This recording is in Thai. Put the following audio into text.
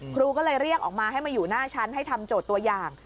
ครูก็เลยเรียกออกมาให้มาอยู่หน้าชั้นให้ทำโจทย์ตัวอย่าง